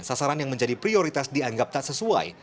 sasaran yang menjadi prioritas dianggap tak sesuai